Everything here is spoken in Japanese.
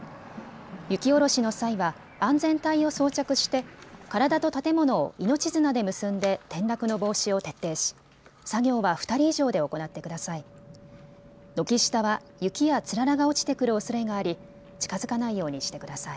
雪下ろしの際は安全帯を装着して体と建物を命綱で結んで転落の防止を徹底し作業は２人以上で行ってください。